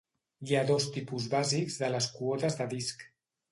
Hi ha dos tipus bàsics de les quotes de disc.